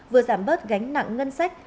vừa giảm bớt gánh nặng ngân sách